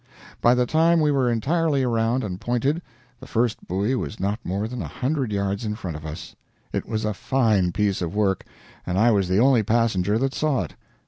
By the time we were entirely around and pointed, the first buoy was not more than a hundred yards in front of us. It was a fine piece of work, and I was the only passenger that saw it.